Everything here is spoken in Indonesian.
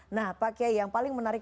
nah pak kiai yang paling menarik